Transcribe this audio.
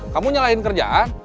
kamu nyalahin kerjaan